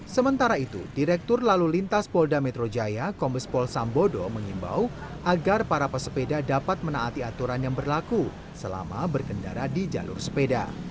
sementara itu direktur lalu lintas polda metro jaya kombes pol sambodo mengimbau agar para pesepeda dapat menaati aturan yang berlaku selama berkendara di jalur sepeda